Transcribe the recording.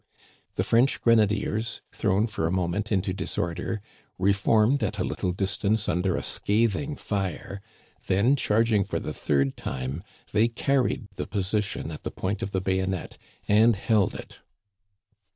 The French grenadiers, thrown for a moment into disorder, reformed at a little distance under a scathing Digitized by VjOOQIC 202 THE CANADIANS OF OLD. fire ; then, charging for the third time, they carried the position at the point of the bayonet, and held it.